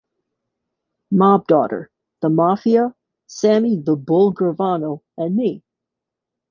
Mob Daughter: The Mafia, Sammy "The Bull" Gravano, and Me!